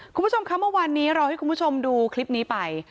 คุณผู้ชมคะเมื่อวานนี้เราให้คุณผู้ชมดูคลิปนี้ไป